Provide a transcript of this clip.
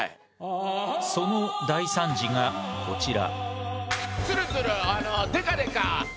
その大惨事がこちら。